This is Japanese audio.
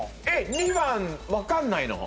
２番分かんないの？